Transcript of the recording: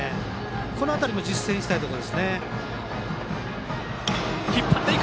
この辺りも実践したいところですね。